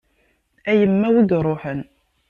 A yemma a wi iṛuḥen.